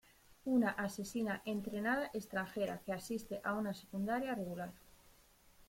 Una asesina entrenada extranjera que asiste a una secundaria regular.